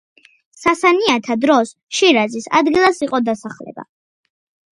სასანიანთა დროს შირაზის ადგილას იყო დასახლება.